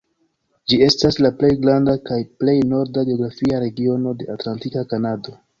Ĝi estas la plej granda kaj plej norda geografia regiono de Atlantika Kanado.